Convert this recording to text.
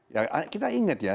ya kita inget ya